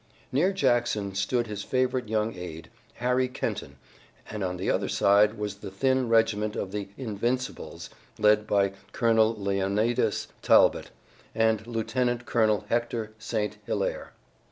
Near Jackson stood his favorite young aide, Harry Kenton, and on the other side was the thin regiment of the Invincibles, led by Colonel Leonidas Talbot, and Lieutenant Colonel Hector St. Hilaire.